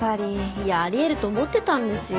いやあり得ると思ってたんですよ。